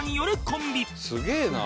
「すげえな！」